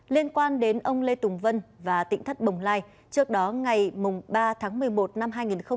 liên quan đến ông lê tùng vân và tỉnh thất bồng lai trước đó ngày ba tháng một mươi một năm hai nghìn hai mươi ba